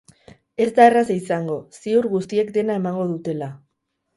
Ez da erraza izango, ziur guztiek dena emango dutela.